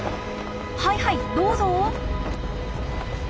はいはいどうぞ。